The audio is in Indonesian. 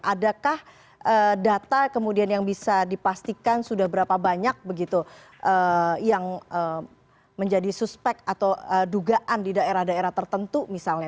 adakah data kemudian yang bisa dipastikan sudah berapa banyak begitu yang menjadi suspek atau dugaan di daerah daerah tertentu misalnya